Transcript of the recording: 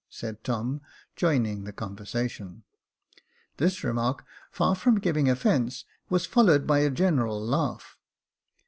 " said Tom, joining the conversation. This remark, far from giving offence, was followed by a general laugh.